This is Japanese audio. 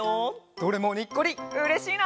どれもにっこりうれしいな！